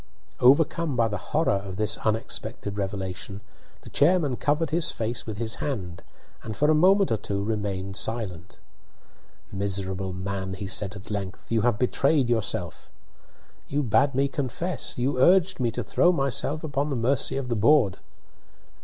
Overcome by the horror of this unexpected revelation, the chairman covered his face with his hand and for a moment or two remained silent. "Miserable man," he said at length, "you have betrayed yourself." "You bade me confess! You urged me to throw myself upon the mercy of the board!"